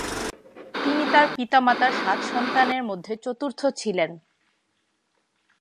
তিনি তার পিতা মাতার সাত সন্তানের মধ্যে চতুর্থ ছিলেন।